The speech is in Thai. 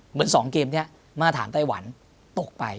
เหมือน๒เกมนี้มาตรฐานไต้หวันตกไป